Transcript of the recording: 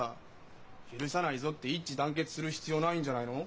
許さないぞって一致団結する必要ないんじゃないの？